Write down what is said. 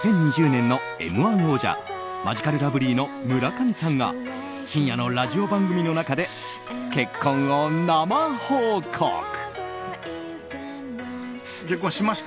２０２０年の「Ｍ‐１」王者マヂカルラブリーの村上さんが深夜のラジオ番組の中で結婚を生報告。